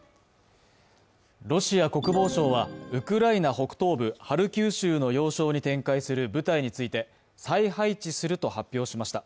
ロシア国防省はウクライナ北東部ハルキウ州の要衝に展開する部隊について、再配置すると発表しました。